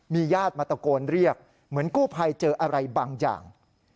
ญาติมาตะโกนเรียกเหมือนกู้ภัยเจออะไรบางอย่าง